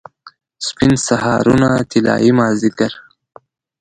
سپین سهارونه، طلايي مازدیګر